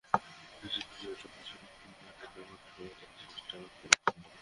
ছোটখাটো ঘটনা ঘটানোর সামর্থ্য আছে, সেটা ঢাকার ভেতরে করতে পারবে না।